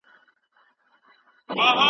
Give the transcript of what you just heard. ځکه مي دا غزله ولیکله.